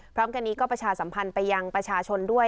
พร้อมกันนี้ก็ประชาสัมพันธ์ไปยังประชาชนด้วย